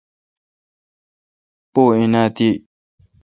پو این اؘ تی۔